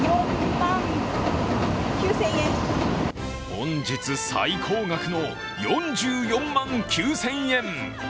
本日最高額の４４万９０００円！